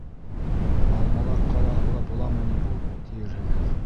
Алмалар ҡалаһы ла буламы ни ул, тиерһегеҙ.